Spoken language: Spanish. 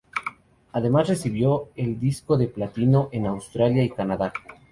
Además recibió el disco de platino en Australia y Canadá.